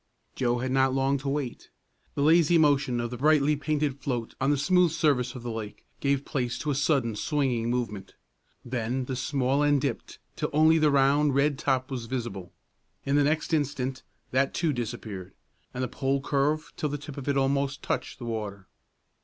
Joe had not long to wait. The lazy motion of the brightly painted float on the smooth surface of the lake gave place to a sudden swinging movement. Then the small end dipped till only the round red top was visible. In the next instant that too disappeared, and the pole curved till the tip of it almost touched the water.